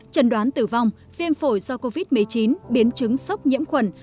trần đoán tử vong viêm phổi do covid một mươi chín biến chứng sốc nhiễm khuẩn